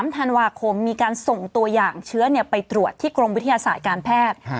ธันวาคมมีการส่งตัวอย่างเชื้อไปตรวจที่กรมวิทยาศาสตร์การแพทย์